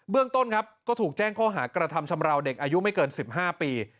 เรื่องต้นครับก็ถูกแจ้งข้อหากระทำชำราวเด็กอายุไม่เกิน๑๕ปี